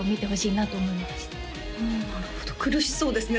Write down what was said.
なるほど苦しそうですね